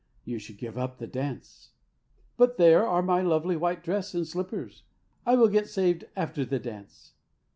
" You should give up the dance." " But there are my lovely white dress and slippers. I will get saved after the dance."